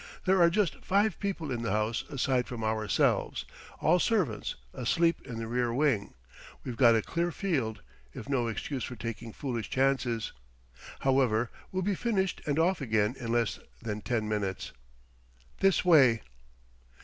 "There are just five people in the house aside from ourselves all servants, asleep in the rear wing. We've got a clear field if no excuse for taking foolish chances! However, we'll be finished and off again in less than ten minutes. This way."